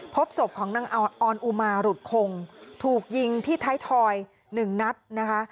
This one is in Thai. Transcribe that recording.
พบศพของนางออนอุมาหลุดคงถูกยิงที่ท้ายทอย๑นัดนะคะ